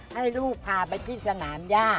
ให้ลูกพาไปที่สนามย่า